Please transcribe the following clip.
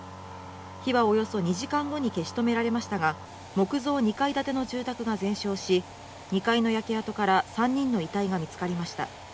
火はおよそ２時間後に消し止められましたが木造２階建ての住宅が全焼し２階の焼け跡から３人の遺体が見つかりました。